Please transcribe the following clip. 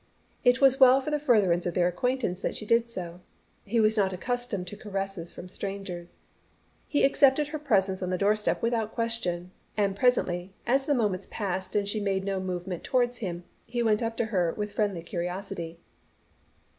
It was well for the furtherance of their acquaintance that she did so. He was not accustomed to caresses from strangers. He accepted her presence on the door step without question, and presently, as the moments passed and she made no movement towards him, he went up to her with friendly curiosity.